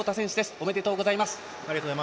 おめでとうございます。